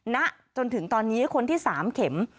ณจนถึงตอนนี้คนที่๓เข็ม